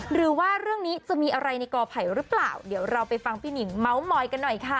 หรือว่าเรื่องนี้จะมีอะไรในกอไผ่หรือเปล่าเดี๋ยวเราไปฟังพี่หนิงเมาส์มอยกันหน่อยค่ะ